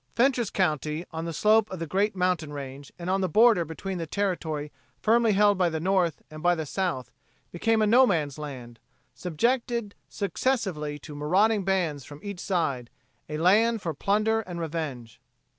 Fentress county on the slope of the great mountain range and on the border between the territory firmly held by the North and by the South became a no man's land, subjected successively to marauding bands from each side, a land for plunder and revenge.